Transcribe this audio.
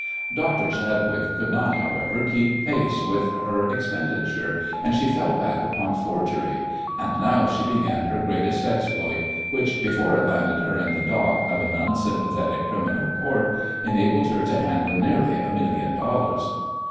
Dr. Chadwick could not, however, keep pace with her expenditure, and she fell back upon forgery, and now she began her greatest exploit, which, before it landed her in the dock of an unsympathetic criminal Court, enabled her to handle nearly a million dollars.